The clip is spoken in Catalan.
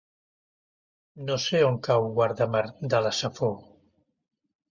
No sé on cau Guardamar de la Safor.